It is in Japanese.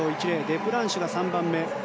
デプランシュが３番目。